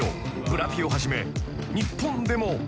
ブラピをはじめ日本でも］